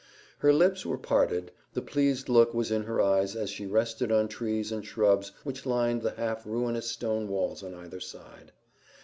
Her lips were parted, the pleased look was in her eyes as they rested on trees and shrubs which lined the half ruinous stone walls on either side.